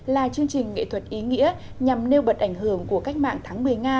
là chương trình nghệ thuật ý nghĩa nhằm nêu bật ảnh hưởng của cách mạng tháng một mươi nga